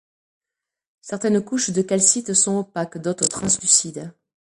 Certaines couches de calcite sont opaques, d'autres translucides.